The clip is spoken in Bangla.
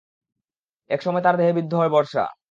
এক সময় তার দেহে বিদ্ধ হয় বর্শা।